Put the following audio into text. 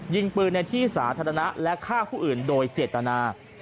ยิงปืนในที่สาธารณะและฆ่าผู้อื่นโดยเจตนา